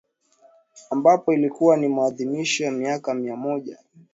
ambapo ilikuwa ni maadhimisho ya miaka mia moja